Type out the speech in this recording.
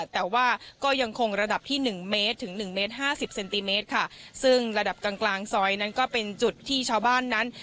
แต่ว่าก็ยังคงระดับที่หนึ่งเมตรถึงหนึ่งเมตรห้าสิบเซนติเมตรค่ะซึ่งระดับกลางกลางซอยนั้นก็เป็นจุดที่ชาวบ้านนั้น